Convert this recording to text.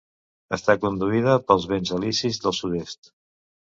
Està conduïda pels vents alisis del sud-est.